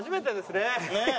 ねえ。